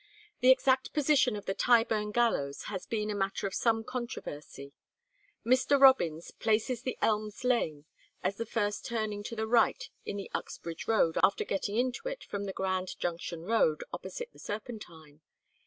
The exact position of the Tyburn gallows has been a matter of some controversy. Mr. Robins places the Elms Lane as the first turning to the right in the Uxbridge Road after getting into it from the Grand Junction Road opposite the Serpentine.